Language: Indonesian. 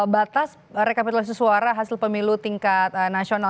batas rekapitulasi suara hasil pemilu tingkat nasional